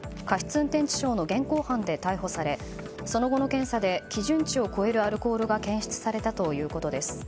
運転致傷の現行犯で逮捕されその後の検査で基準値を超えるアルコールが検出されたということです。